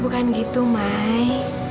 bukan gitu mai